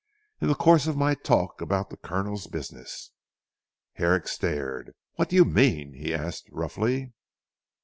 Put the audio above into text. "In the course of my talk about the Colonel's business." Herrick stared. "What do you mean?" he asked roughly.